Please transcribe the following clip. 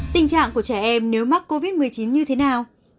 tình trạng của trẻ em nếu mắc covid một mươi chín như thế nào